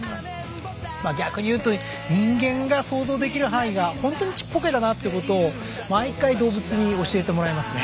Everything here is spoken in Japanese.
ま逆に言うと人間が想像できる範囲がほんとにちっぽけだなってことを毎回動物に教えてもらいますね。